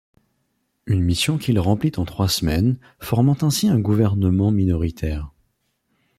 Une mission qu'il remplit en trois semaines, formant ainsi un gouvernement minoritaire.